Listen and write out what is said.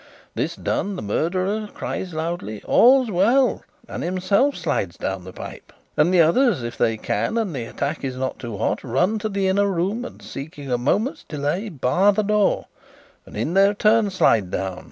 This done, the murderer cries loudly, 'All's well!' and himself slides down the pipe; and the others, if they can and the attack is not too hot, run to the inner room and, seeking a moment's delay, bar the door, and in their turn slide down.